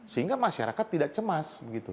sehingga masyarakat tidak cemas